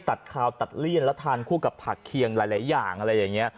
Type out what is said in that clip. ตัดคาวตัดเลี่ยนแล้วทานคู่กับผักเคียงหลายอย่าง